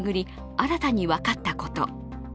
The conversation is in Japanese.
新たに分かったこと。